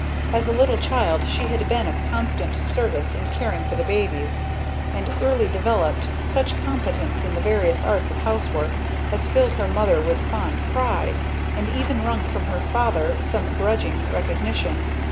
As a little child she had been of constant service in caring for the babies; and early developed such competence in the various arts of house work as filled her mother with fond pride, and even wrung from her father some grudging recognition.